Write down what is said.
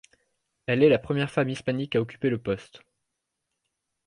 Elle est alors la première femme hispanique à occuper le poste.